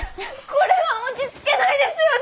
これは落ち着けないですよね！